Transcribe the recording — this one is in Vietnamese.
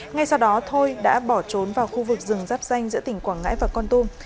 ngay sau đó thôi đã bỏ trốn vào khu vực rừng rắp danh giữa tỉnh quảng ngãi và con tum